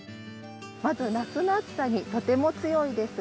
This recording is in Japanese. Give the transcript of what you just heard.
まず夏の暑さにとても強いです。